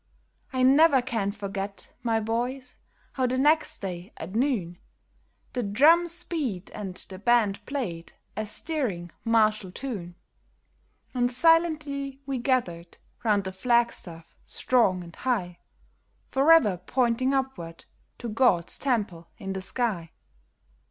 I never can forget, my boys, how the next day, at noon, The drums beat and the band played a stirring martial tune, And silently we gathered round the flag staff, strong and high, Forever pointing upward to God's temple in the sky.